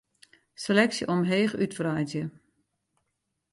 Seleksje omheech útwreidzje.